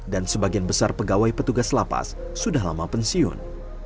dan sebagian besar pegawai petugas lapas sudah lama pensiun